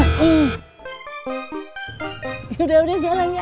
yaudah udah jalan ya